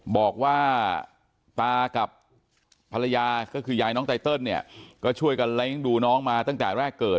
บอกว่าตากับภรรยาก็คือยายน้องไตเติลเนี่ยก็ช่วยกันเล้งดูน้องมาตั้งแต่แรกเกิด